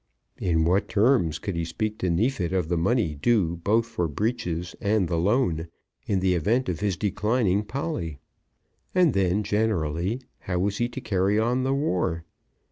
In what terms could he speak to Neefit of the money due both for breeches and the loan, in the event of his declining Polly? And then, generally, how was he to carry on the war?